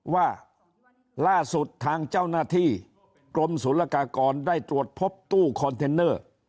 ว่าล่าสุดทางเจ้าหน้าที่กรมศูนย์ละกากรได้ตรวจพบตู้คอนเทนเนอร์